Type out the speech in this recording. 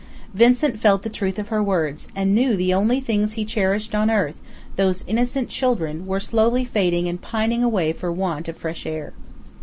Vincent felt the truth of her words, and knew the only things he cherished on earth, those innocent children, were slowly fading and pining away for want of fresh air.